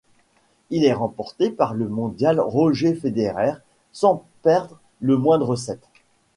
Il est remporté par le mondial Roger Federer, sans perdre le moindre set.